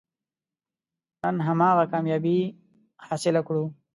نن هماغه کامیابي حاصله کړو.